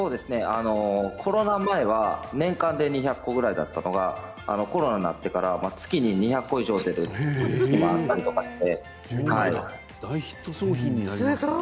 コロナ前は年間で２００個ぐらいだったのがコロナになってから月に２００個以上売れるようになりました。